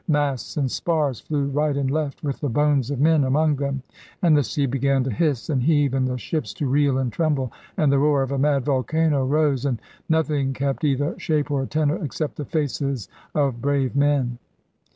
Masts and spars flew right and left with the bones of men among them, and the sea began to hiss and heave, and the ships to reel and tremble, and the roar of a mad volcano rose, and nothing kept either shape or tenor, except the faces of brave men.